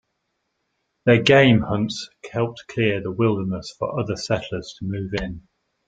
Their game hunts helped clear the wilderness for other settlers to move in.